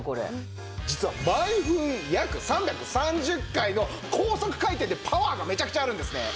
実は毎分約３３０回の高速回転でパワーがめちゃくちゃあるんですね。